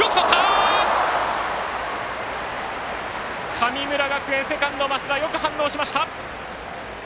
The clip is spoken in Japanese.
神村学園、セカンド、増田よく反応しました！